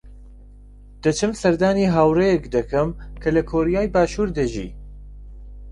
دەچم سەردانی هاوڕێیەک دەکەم کە لە کۆریای باشوور دەژی.